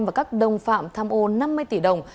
và các đồng phạm tham ô năm mươi tỷ đồng